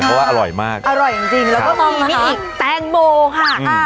เพราะว่าอร่อยมากอร่อยจริงแล้วก็มีนี่อีกแตงโมค่ะ